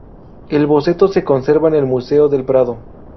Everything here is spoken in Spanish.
El boceto se conserva en el Museo del Prado.